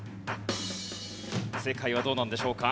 正解はどうなんでしょうか？